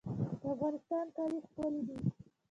د افغانستان کالي ښکلي دي